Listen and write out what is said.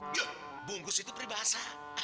yuk bungkus itu pribahasa